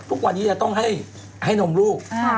ทุกวันนี้จะต้องให้นมลูก